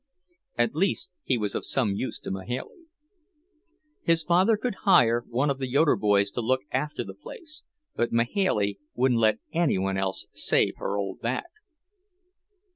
At least he was of some use to Mahailey. His father could hire one of the Yoeder boys to look after the place, but Mahailey wouldn't let any one else save her old back.